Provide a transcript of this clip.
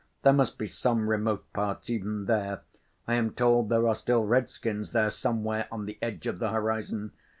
There must be some remote parts even there. I am told there are still Redskins there, somewhere, on the edge of the horizon.